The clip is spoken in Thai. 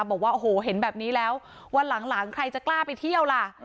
บอกว่าโอ้โหเห็นแบบนี้แล้ววันหลังใครจะกล้าไปเที่ยวล่ะ